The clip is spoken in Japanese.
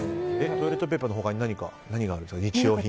トイレットペーパーの他に何があるんですか？